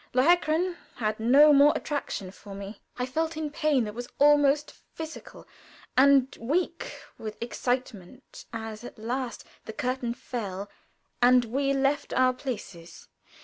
"Lohengrin" had no more attraction for me. I felt in pain that was almost physical, and weak with excitement as at last the curtain fell and we left our places.